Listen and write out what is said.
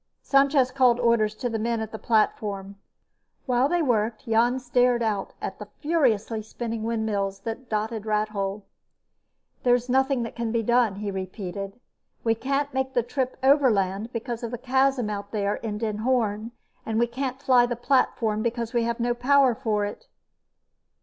Sanchez called orders to the men at the platform. While they worked, Jan stared out at the furiously spinning windmills that dotted Rathole. "There's nothing that can be done," he repeated. "We can't make the trip overland because of the chasm out there in Den Hoorn, and we can't fly the platform because we have no power for it."